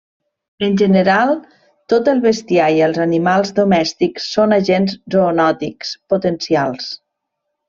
En general tot el bestiar i els animals domèstics són agents zoonòtics potencials.